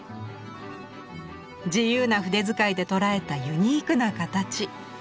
自由な筆使いでとらえたユニークな形。